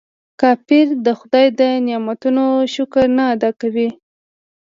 کافر د خداي د نعمتونو شکر نه ادا کوي.